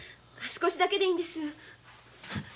少しだけでいいんですお願い。